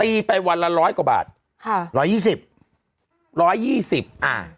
ไปวันละร้อยกว่าบาทค่ะร้อยยี่สิบร้อยยี่สิบอ่า